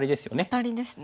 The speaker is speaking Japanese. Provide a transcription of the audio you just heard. アタリですね。